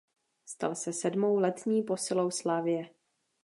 Stal se sedmou letní posilou Slavie.